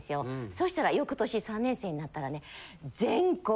そしたら翌年３年生になったらね。